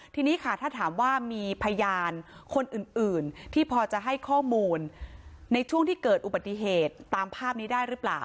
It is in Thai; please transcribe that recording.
ทีนี้ค่ะถ้าถามว่ามีพยานคนอื่นที่พอจะให้ข้อมูลในช่วงที่เกิดอุบัติเหตุตามภาพนี้ได้หรือเปล่า